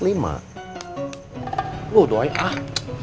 loh doi ah